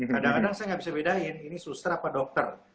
kadang kadang saya nggak bisa bedain ini suster apa dokter